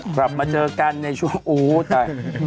กลับมาเจอกันในช่วงโอ้ตาย